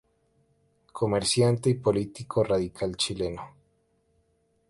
Comerciante y político radical chileno.